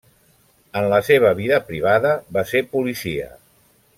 En la seva vida privada va ser policia.